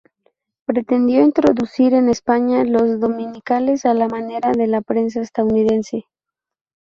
Pretendió introducir en España los dominicales a la manera de la prensa estadounidense.